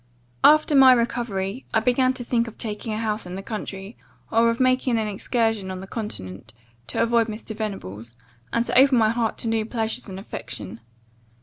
"After my recovery, I began to think of taking a house in the country, or of making an excursion on the continent, to avoid Mr. Venables; and to open my heart to new pleasures and affection.